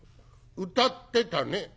「歌ってたね」。